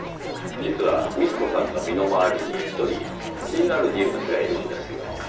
実は幹子さんの身の回りに１人気になる人物がいるんですよ。